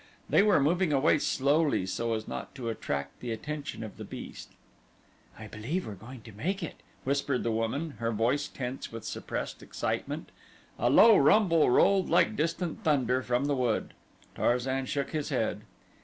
They were moving away slowly so as not to attract the attention of the beast. "I believe we're going to make it," whispered the woman, her voice tense with suppressed excitement. A low rumble rolled like distant thunder from the wood. Tarzan shook his head.